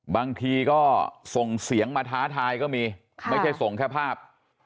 บางทีก็ส่งเสียงมาท้าทายก็มีไม่ใช่ส่งแค่ภาพ